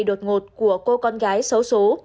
đột ngột của cô con gái xấu xố